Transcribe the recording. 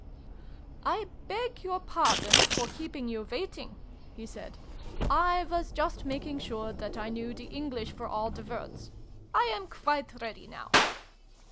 " I beg your pardon for keeping you wait ing!" he said. " I was just making sure that I knew the English for all the words. I am quite ready now."